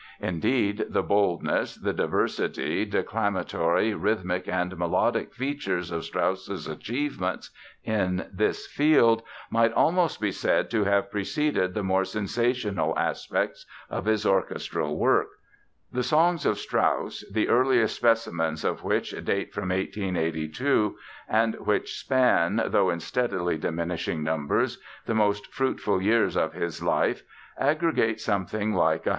Indeed, the boldness, the diversity, declamatory, rhythmic and melodic features of Strauss's achievements in this field might almost be said to have preceded the more sensational aspects of his orchestral works. The songs of Strauss, the earliest specimens of which date from 1882, and which span (though in steadily diminishing numbers), the most fruitful years of his life, aggregate something like 150.